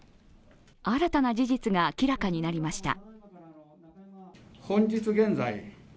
新たな事実が明らかになりました。